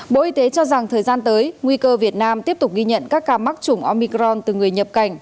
bộ y tế cho rằng thời gian tới nguy cơ việt nam tiếp tục ghi nhận các ca mắc chủng omicron từ người nhập cảnh